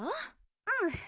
うん。